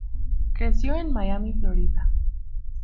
Creció en Miami, Florida.